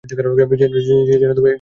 যেন এটা একটা শ্মশান বাড়ী!